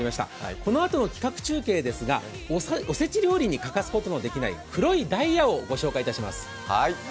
このあとの企画中継ですが、おせち料理に欠かすことのできない黒いダイヤをご紹介いたします。